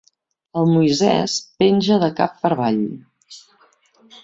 El Moisès penja de cap per avall.